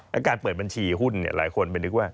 แล้วการเปิดบัญชีหุ้นหลายคนไปนึกว่า